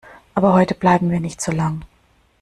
Aber heute bleiben wir nicht so lang.